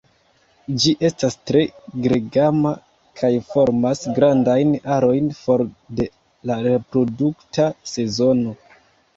Ĝi estas tre gregema, kaj formas grandajn arojn for de la reprodukta sezono.